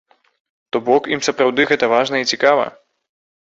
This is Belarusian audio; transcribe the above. То бок ім сапраўды гэта важна і цікава.